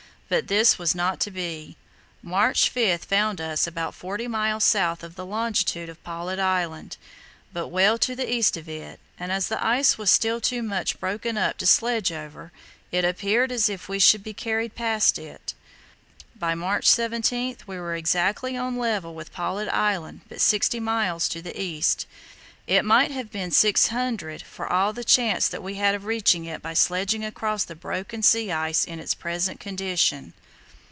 But this was not to be. March 5 found us about forty miles south of the longitude of Paulet Island, but well to the east of it; and as the ice was still too much broken up to sledge over, it appeared as if we should be carried past it. By March 17 we were exactly on a level with Paulet Island but sixty miles to the east. It might have been six hundred for all the chance that we had of reaching it by sledging across the broken sea ice in its present condition.